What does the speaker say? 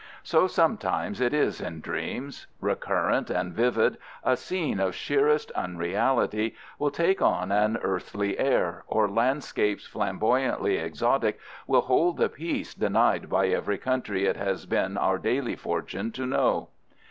So sometimes it is in dreams. Recurrent and vivid, a scene of sheerest unreality will take on an earthly air, or landscapes flamboyantly exotic will hold the peace denied by every country it has been our daily fortune to know.